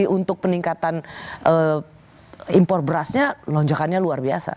untuk peningkatan impor berasnya lonjakannya luar biasa